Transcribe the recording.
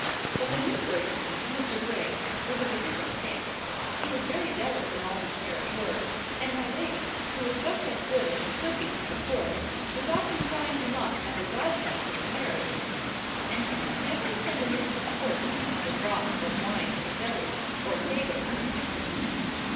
But the new clergyman, Mr. Gray, was of a different stamp. He was very zealous in all his parish work; and my lady, who was just as good as she could be to the poor, was often crying him up as a godsend to the parish, and he never could send amiss to the Court when he wanted broth, or wine, or jelly, or sago for a sick person.